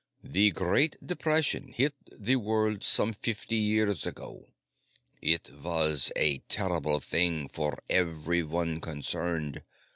The Great Depression hit the world some fifty years ago. It was a terrible thing for everyone concerned.